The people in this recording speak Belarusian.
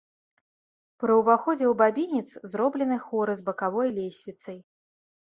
Пры ўваходзе ў бабінец зроблены хоры з бакавой лесвіцай.